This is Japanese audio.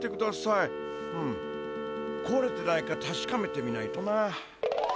ふむこわれてないかたしかめてみないとな。